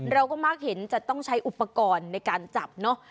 เราก็มักเห็นจะต้องใช้อุปกรณ์ในการจับเนอะ